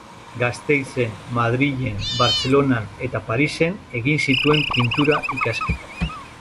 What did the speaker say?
Gasteizen, Madrilen, Bartzelonan eta Parisen egin zituen Pintura ikasketak.